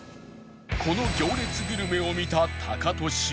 この行列グルメを見たタカトシは